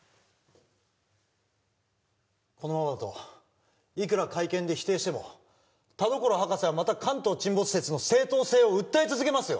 このままだといくら会見で否定しても田所博士はまた関東沈没説の正当性を訴え続けますよ